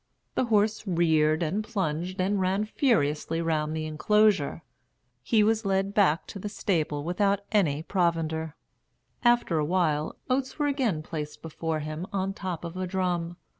The horse reared and plunged and ran furiously round the enclosure. He was led back to the stable without any provender. After a while, oats were again placed before him on the top of a drum.